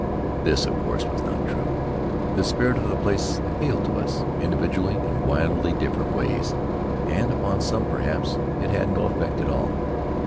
This of course was not true. The spirit of the place appealed to us, individually, in widely different ways, and upon some, perhaps, it had no effect at all.